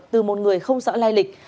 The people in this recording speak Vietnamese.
từ một người không rõ lai lịch